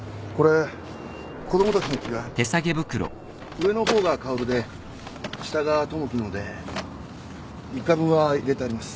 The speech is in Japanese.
上の方が薫で下が友樹ので３日分は入れてあります。